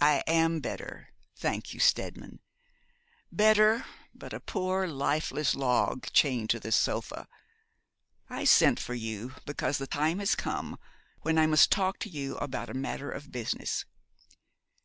'I am better, thank you, Steadman; better, but a poor lifeless log chained to this sofa. I sent for you because the time has come when I must talk to you upon a matter of business.